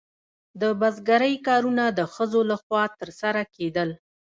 د بزګرۍ کارونه د ښځو لخوا ترسره کیدل.